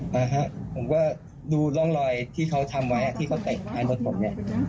ผมก็ดูร่องรอยที่เขาทำไว้ที่เขาแตะรถผมเนี่ย